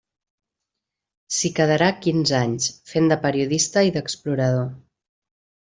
S'hi quedarà quinze anys, fent de periodista i d'explorador.